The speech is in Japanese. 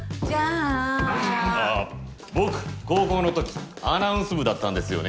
んんっあぁ僕高校のときアナウンス部だったんですよね。